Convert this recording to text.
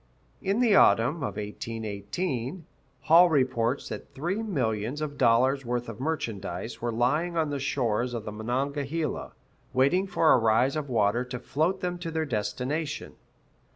In the autumn of 1818, Hall reports that three millions of dollars' worth of merchandise were lying on the shores of the Monongahela, waiting for a rise of water to float them to their destination.